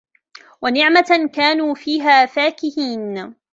ونعمة كانوا فيها فاكهين